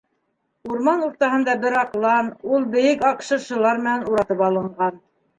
Урман уртаһында бер аҡлан, ул бейек аҡ шыршылар менән уратып алынған.